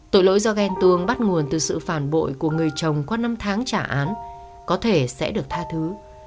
tội lỗi do gan tương bắt nguồn từ sự phản bội của người chồng có năm tháng trả án có thể sẽ được tha thứ